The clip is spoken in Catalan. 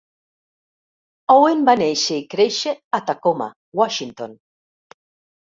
Owen va néixer i créixer a Tacoma, Washington.